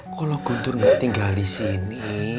kalau guntur nggak tinggal di sini